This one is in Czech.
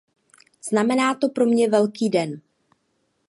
Znamená to pro mě velký den.